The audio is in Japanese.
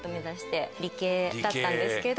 だったんですけど。